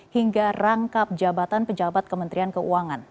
hingga rangkap jabatan pejabat kementerian keuangan